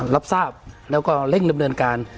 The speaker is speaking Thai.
รับทราบแล้วก็เร่งดำเนินการ